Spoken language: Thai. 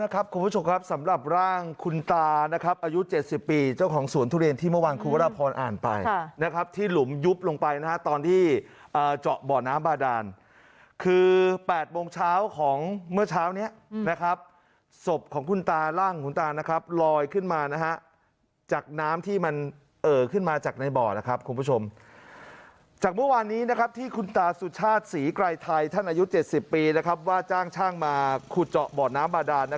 ครับคุณผู้ชมครับสำหรับร่างคุณตานะครับอายุ๗๐ปีเจ้าของสวนทุเรียนที่เมื่อวานคุกระพรอ่านไปนะครับที่หลุมยุบลงไปนะฮะตอนที่เจาะบ่อน้ำบาดารคือ๘โมงเช้าของเมื่อเช้านี้นะครับสบของคุณตาร่างคุณตารนะครับลอยขึ้นมานะฮะจากน้ำที่มันเออขึ้นมาจากในบ่อนะครับคุณผู้ชมจากเมื่อวานนี้นะครับที่คุณตา